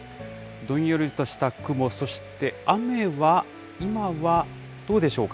どんよりとした雲、そして雨は今はどうでしょうか？